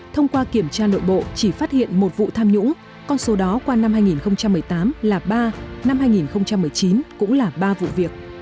thông qua kiểm tra nội bộ chỉ phát hiện một vụ tham nhũng con số đó qua năm hai nghìn một mươi tám là ba năm hai nghìn một mươi chín cũng là ba vụ việc